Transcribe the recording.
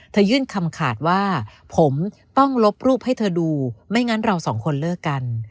ยื่นคำขาดว่าผมต้องลบรูปให้เธอดูไม่งั้นเราสองคนเลิกกัน